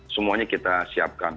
semuanya kita siapkan